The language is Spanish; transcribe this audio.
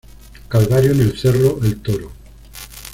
Calvario en el cerro El toro.